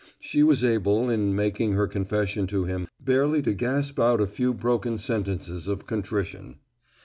She was able, in making her confession to him, barely to gasp out a few broken sentences of contrition.